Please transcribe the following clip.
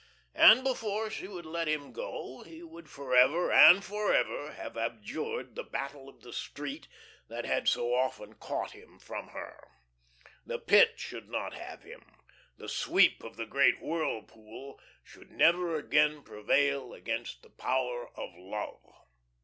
And before she would let him go he would forever and forever have abjured the Battle of the Street that had so often caught him from her. The Pit should not have him; the sweep of that great whirlpool should never again prevail against the power of love.